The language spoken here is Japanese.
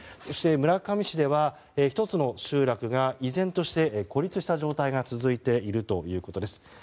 村上市では１つの集落が依然として孤立した状態が続いているということです。